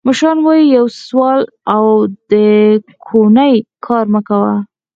مشران وایي: یو سوال او د کونې کار مه کوه.